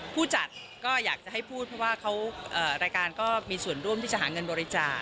ผู้จัดก็อยากจะให้พูดเพราะว่ารายการก็มีส่วนร่วมที่จะหาเงินบริจาค